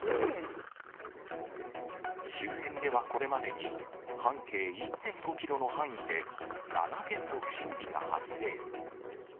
周辺ではこれまでに、半径１．５キロの範囲で、７件の不審火が発生。